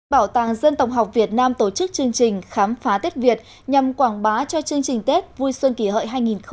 bảo tàng dân tổng học việt nam tổ chức chương trình khám phá tết việt nhằm quảng bá cho chương trình tết vui xuân kỷ hợi hai nghìn một mươi chín